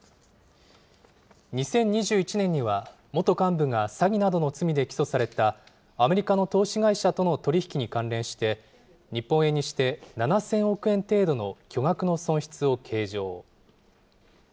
２０２１年には、元幹部が詐欺などの罪で起訴された、アメリカの投資会社との取り引きに関連して、日本円にして７０００億円程度の巨額の損失を計上。